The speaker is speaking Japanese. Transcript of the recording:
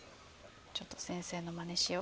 ちょっと先生のマネしよう。